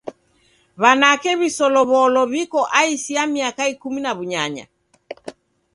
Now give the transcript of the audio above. W'anake w'iselow'olo w'iko aisi ya miaka ikumi na w'unyanya.